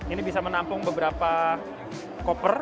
ini bisa menampung beberapa koper